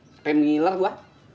sampai mengiler gua